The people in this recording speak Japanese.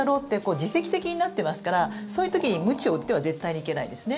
自責的になってますからそういう時にムチを打っては絶対にいけないですね。